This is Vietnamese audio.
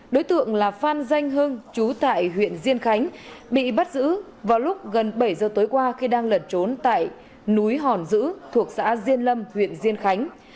đối tượng là phan danh hưng chú tại huyện diên khánh bị bắt giữ vào lúc gần bảy giờ tối qua khi đang lẩn trốn tại núi hòn dữ thuộc xã diên lâm huyện diên khánh